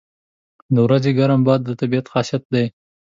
• د ورځې ګرم باد د طبیعت خاصیت دی.